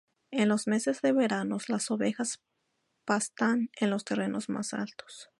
En los meses de verano, las ovejas pastan en los terrenos más altos.